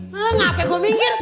hah ngapain gue minggir